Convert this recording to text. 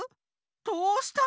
どうしたの？